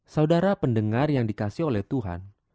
saudara pendengar yang dikasih oleh tuhan